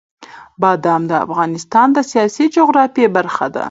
بادام د افغانستان د سیاسي جغرافیه برخه ده.